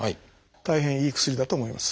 大変いい薬だと思います。